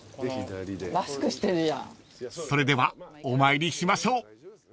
［それではお参りしましょう］